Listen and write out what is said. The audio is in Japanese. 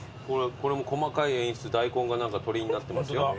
これも細かい演出大根が鳥になってます。